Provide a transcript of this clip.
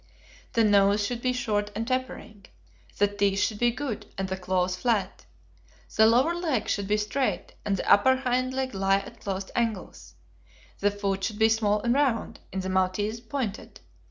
The nose should be short and tapering. The teeth should be good, and the claws flat. The lower leg should be straight, and the upper hind leg lie at closed angles. The foot should be small and round (in the maltese, pointed).